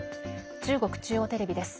中国中央テレビです。